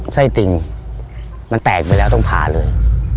ไส้ติ่งมันแตกไปแล้วต้องผ่าเลย